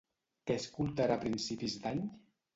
Què escoltarà a principis d'any?